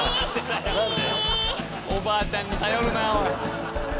おばあちゃんに頼るなあおい。